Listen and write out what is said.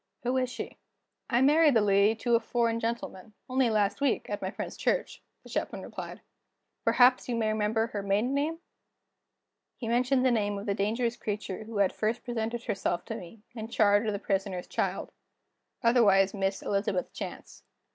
Who is she?" "I married the lady to a foreign gentleman, only last week, at my friend's church," the Chaplain replied. "Perhaps you may remember her maiden name?" He mentioned the name of the dangerous creature who had first presented herself to me, in charge of the Prisoner's child otherwise Miss Elizabeth Chance.